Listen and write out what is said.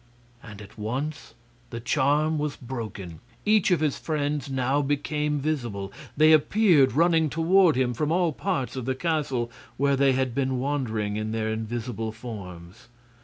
And at once the charm was broken; each of his friends now became visible. They appeared running toward him from all parts of the castle, where they had been wandering in their invisible forms.